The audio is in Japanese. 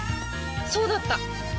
そうだった！